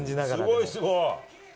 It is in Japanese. すごい、すごい。